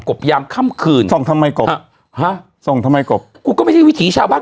บยามค่ำคืนส่องทำไมกบฮะส่องทำไมกบกูก็ไม่ใช่วิถีชาวบ้าน